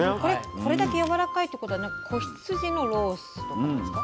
これだけやわらかいっていうことは子羊のロースとかですか？